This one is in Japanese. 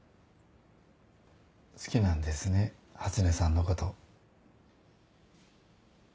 好きなんですね初音さんのこと。